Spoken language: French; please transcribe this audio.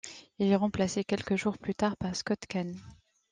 Il est remplacé quelques jours plus tard par Scott Caan.